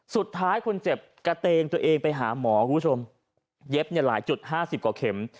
สุดท้ายคนเจ็บกระเตงตัวเองไปหาหมอคุณผู้ชมเย็บเนี่ยหลายจุดห้าสิบกว่าเข็ม